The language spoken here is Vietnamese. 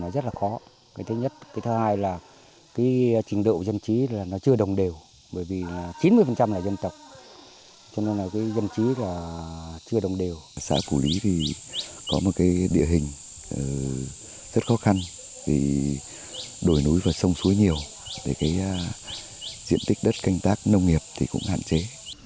rất khó khăn vì đổi núi vào sông suối nhiều để cái diện tích đất canh tác nông nghiệp thì cũng hạn chế